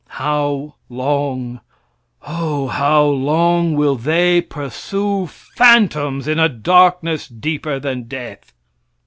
How long, O how long will they pursue phantoms in a darkness deeper than death?